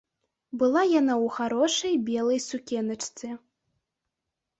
Была яна ў харошай белай сукеначцы.